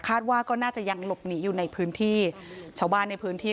คาดว่าก็น่าจะยังหลบหนีอยู่ในพื้นที่